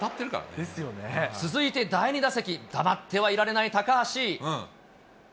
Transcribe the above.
続いて第２打席、黙ってはいられない高橋。